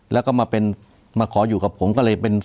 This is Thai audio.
แล้วก็มาเป็นมาขออยู่กับผมก็เลยเป็น